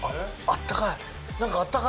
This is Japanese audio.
あったかい。